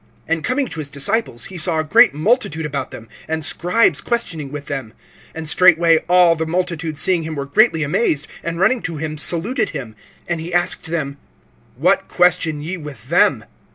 (14)And coming to his disciples he saw a great multitude about them, and scribes questioning with them. (15)And straightway all the multitude seeing him were greatly amazed, and running to him saluted him. (16)And he asked them: What question ye with them?